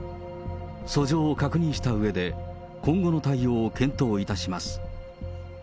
訴状を確認したうえで、今後の対応を検討いたします。